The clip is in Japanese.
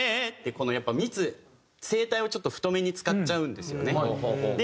やっぱ密声帯をちょっと太めに使っちゃうんですよね。